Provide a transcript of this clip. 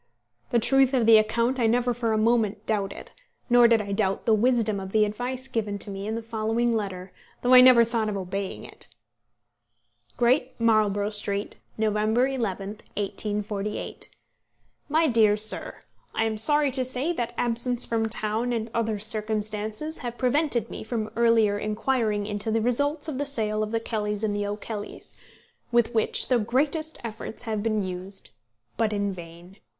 The truth of the account I never for a moment doubted; nor did I doubt the wisdom of the advice given to me in the following letter, though I never thought of obeying it Great Marlborough Street, November 11, 1848. MY DEAR SIR. I am sorry to say that absence from town and other circumstances have prevented me from earlier inquiring into the results of the sale of The Kellys and the O'Kellys, with which the greatest efforts have been used, but in vain.